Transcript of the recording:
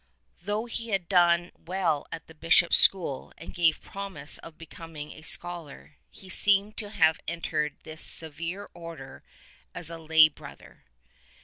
Though he had done well at the Bishop's school and gave promise of becoming a scholar, he seems to have entered this severe Order as a lay brother.